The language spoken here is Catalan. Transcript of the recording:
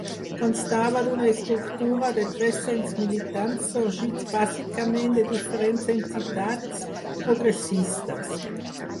Constava d'una estructura de tres-cents militants sorgits bàsicament de diferents entitats progressistes.